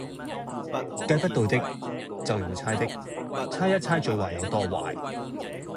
計不到的，就用猜的，猜一猜最壞有多壞